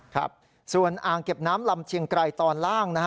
ครับส่วนอ่างเก็บน้ำลำเชียงไกรตอนล่างนะฮะ